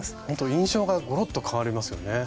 ほんと印象がごろっと変わりますよね。